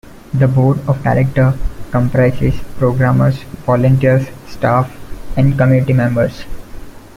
The Board of Directors comprises programmers, volunteers, staff, and community members.